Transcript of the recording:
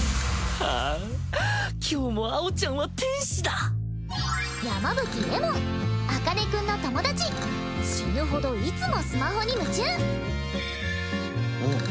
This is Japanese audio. はあ今日もアオちゃんは天使だ山吹檸檬茜君の友達死ぬほどいつもスマホに夢中あっ